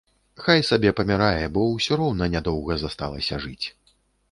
Хай сабе памірае, бо ўсё роўна нядоўга засталася жыць.